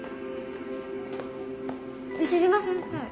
西島先生。